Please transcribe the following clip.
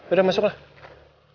udah masuk lah